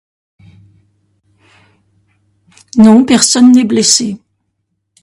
Non, personne n'est blessé.